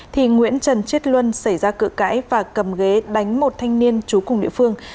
thì nguyễn trần chiết luân xảy ra cự cãi và cầm ghế đánh một thanh niên trú cùng địa phương